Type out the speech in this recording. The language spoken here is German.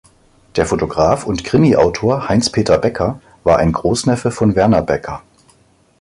Der Fotograf und Krimiautor Heinz-Peter Baecker war ein Großneffe von Werner Baecker.